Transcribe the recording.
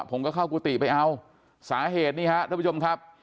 ผมก็เข้ากุฏิไปเอาสาเหตุนี่ฮะท่านผู้ชมครับ